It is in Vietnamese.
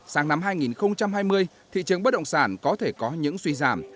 sáng năm hai nghìn hai mươi thị trường bất động sản có thể có những suy giảm